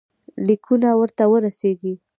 لیکونه ورته ورسیږي.